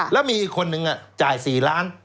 แล้วมีอีกคนนึงจ่าย๔ล้าน